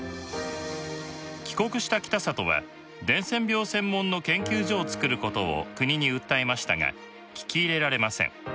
帰国した北里は伝染病専門の研究所をつくることを国に訴えましたが聞き入れられません。